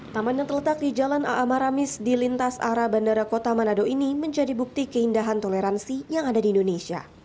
taman yang terletak di jalan aa maramis di lintas arah bandara kota manado ini menjadi bukti keindahan toleransi yang ada di indonesia